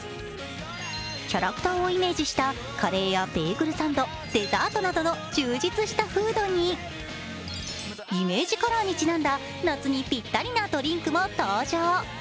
キャラクターをイメージしたカレーやベーグルサンド、デザートなどの充実したフードに、イメージカラーにちなんだ夏にぴったりなドリンクも登場。